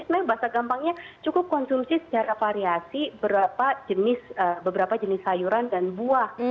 sebenarnya bahasa gampangnya cukup konsumsi secara variasi beberapa jenis sayuran dan buah